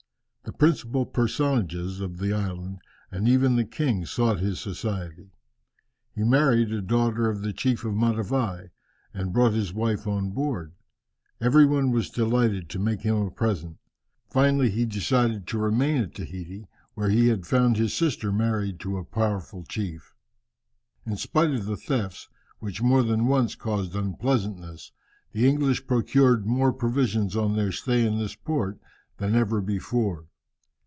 The principal personages of the island, and even the king sought his society. He married a daughter of the chief of Matavai, and brought his wife on board. Every one was delighted to make him a present. Finally he decided to remain at Tahiti, where he had found his sister married to a powerful chief. In spite of the thefts, which more than once caused unpleasantness, the English procured more provisions on their stay in this port than ever before.